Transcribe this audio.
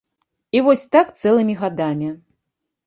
І вось так цэлымі гадамі.